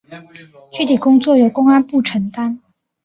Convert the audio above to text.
具体工作由公安部承担。